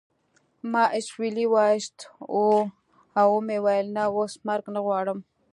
ما اسویلی وایست او و مې ویل نه اوس مرګ نه غواړم